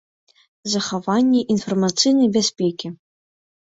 Захаванне iнфармацыйнай бяспекi.